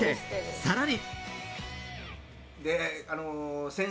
さらに。